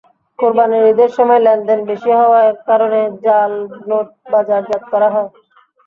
কোরবানির ঈদের সময় লেনদেন বেশি হওয়ার কারণে জাল নোট বাজারজাত করা হয়।